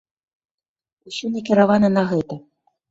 Усё накіравана на гэта.